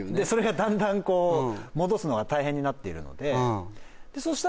それがだんだんこう戻すのが大変になっているのでそ